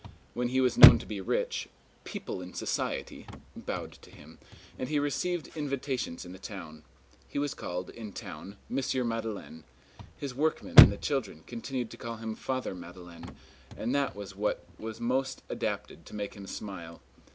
When he was known to be rich, "people in society" bowed to him, and he received invitations in the town; he was called, in town, Monsieur Madeleine; his workmen and the children continued to call him Father Madeleine, and that was what was most adapted to make him smile.